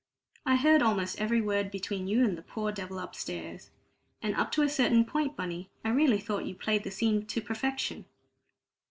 I heard almost every word between you and the poor devil upstairs. And up to a certain point, Bunny, I really thought you played the scene to perfection."